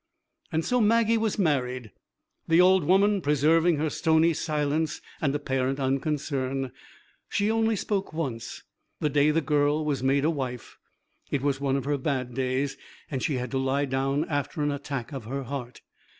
So Maggie was married, the old woman preserving her stony silence and apparent unconcern. She only spoke once, the day the girl was made a wife. It was one of her bad days, and she had to lie down after an attack of her heart.